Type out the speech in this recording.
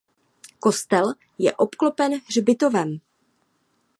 Kostel je obklopen hřbitovem.